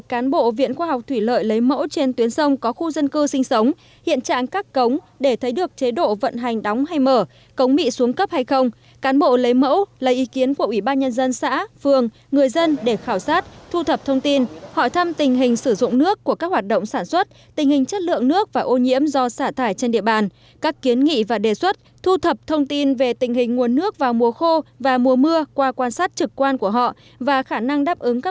cán bộ viện khoa học thủy lợi lấy mẫu trên tuyến sông có khu dân cư sinh sống hiện trạng các cống để thấy được chế độ vận hành đóng hay mở cống bị xuống cấp hay không cán bộ lấy mẫu lấy ý kiến của ủy ban nhân dân xã phường người dân để khảo sát thu thập thông tin hỏi thăm tình hình sử dụng nước của các hoạt động sản xuất tình hình chất lượng nước và ô nhiễm do xả thải trên địa bàn các kiến nghị và đề xuất thu thập thông tin về tình hình nguồn nước vào mùa khô và mùa mưa qua quan sát trực quan của họ và khả năng đ